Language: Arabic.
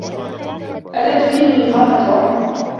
ألا تريد إيقاف توم؟